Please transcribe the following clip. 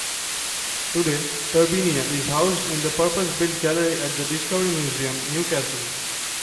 Today, "Turbinia" is housed in a purpose-built gallery at the Discovery Museum, Newcastle.